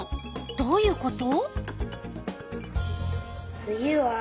どういうこと？